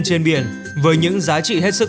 trên biển với những giá trị hết sức